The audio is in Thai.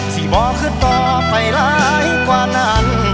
ที่บอกคือต่อไปร้ายกว่านั้น